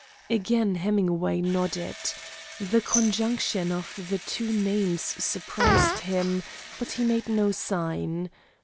Again Hemingway nodded. The conjunction of the two names surprised him, but he made no sign.